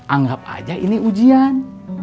anggap aja ini ujian